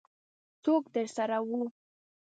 څوک درسره وو؟